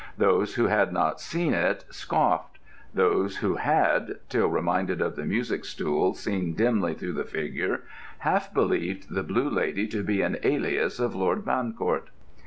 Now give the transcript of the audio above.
Those who had not seen it scoffed; those who had, till reminded of the music stool seen dimly through the figure, half believed the Blue Lady to be an alias of Lord Bancourt.